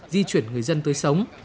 di chuyển người dân tới sống